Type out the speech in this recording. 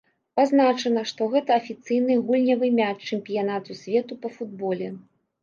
Пазначана, што гэта афіцыйны гульнявы мяч чэмпіянату свету па футболе.